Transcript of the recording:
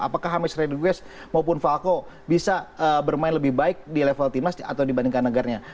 apakah james rodriguez maupun falco bisa bermain lebih baik di level timnas atau dibandingkan negarnya